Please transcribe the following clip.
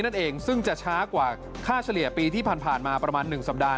นั่นเองซึ่งจะช้ากว่าค่าเฉลี่ยปีที่ผ่านมาประมาณ๑สัปดาห